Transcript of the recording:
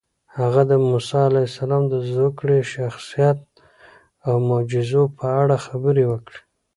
هغه د موسی علیه السلام د زوکړې، شخصیت او معجزو په اړه خبرې وکړې.